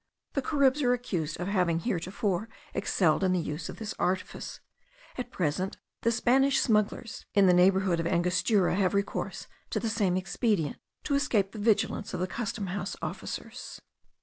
The Caribs are accused of having heretofore excelled in the use of this artifice; at present the Spanish smugglers in the neighbourhood of Angostura have recourse to the same expedient to escape the vigilance of the custom house officers.